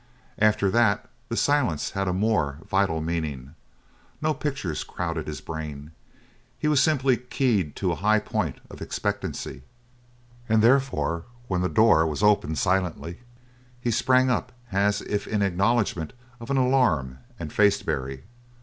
After that the silence had a more vital meaning. No pictures crowded his brain. He was simply keyed to a high point of expectancy, and therefore, when the door was opened silently, he sprang up as if in acknowledgment of an alarm and faced Barry.